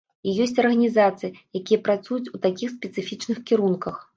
І ёсць арганізацыі, якія працуюць у такіх спецыфічных кірунках.